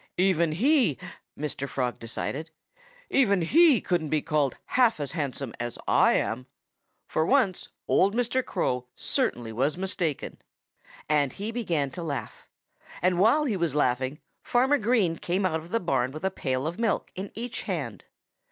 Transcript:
"Even he " Mr. Frog decided "even he couldn't be called half as handsome as I am. For once old Mr. Crow certainly was mistaken." And he began to laugh. And while he was laughing, Farmer Green came out of the barn with a pail of milk in each hand.